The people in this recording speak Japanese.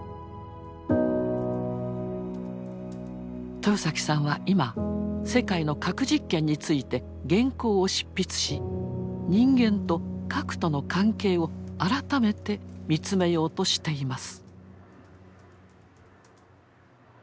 豊さんは今世界の核実験について原稿を執筆し人間と核との関係を改めて見つめようとしています。